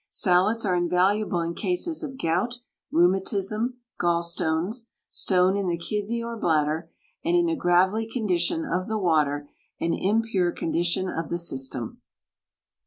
Salads are invaluable in cases of gout, rheumatism, gallstones, stone in the kidney or bladder, and in a gravelly condition of the water and impure condition of the system.